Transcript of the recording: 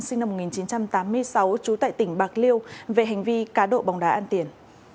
sinh năm một nghìn chín trăm tám mươi sáu trú tại tỉnh bạc liêu về hành vi cá độ bóng đá an tiền